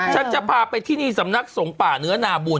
ฉันจะพาไปที่นี่สำนักสงฆ์ป่าเนื้อนาบุญ